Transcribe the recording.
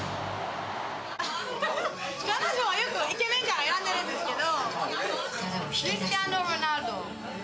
彼女はよくイケメンを選んでるんですけど。